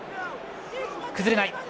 崩れない。